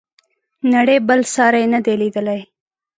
نړۍ بل ساری نه دی لیدلی.